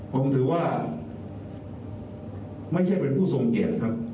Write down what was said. ผมถือว่าไม่ใช่เป็นผู้ทรงเกียรติครับ